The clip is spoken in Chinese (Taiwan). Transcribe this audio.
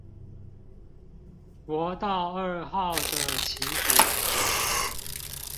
國道二號的起點